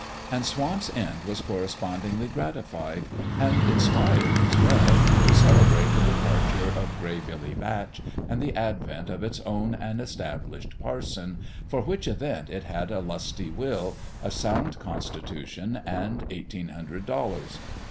And Swamp's End was correspondingly gratified, and inspired, as well, to celebrate the departure of Gray Billy Batch and the advent of its own and established parson, for which event it had a lusty will, a sound constitution, and eighteen hundred dollars.